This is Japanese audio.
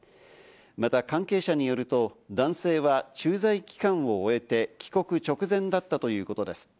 また関係者によると、男性は駐在期間を終えて、帰国直前だったということです。